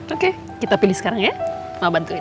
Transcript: oke kita pilih sekarang ya mau bantuin